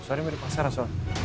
suara yang beri pasaran soal